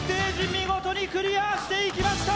見事にクリアしていきました！